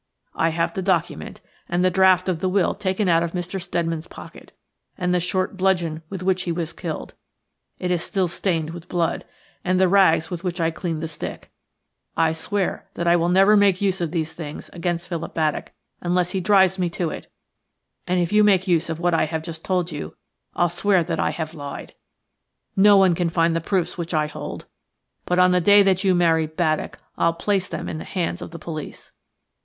I have the document, and the draft of the will taken out of Mr. Steadman's pocket, and the short bludgeon with which he was killed–it is still stained with blood–and the rags with which I cleaned the stick. I swear that I will never make use of these things against Philip Baddock unless he drives me to it, and if you make use of what I have just told you I'll swear that I have lied. No one can find the proofs which I hold. But on the day that you marry Baddock I'll place them in the hands of the police."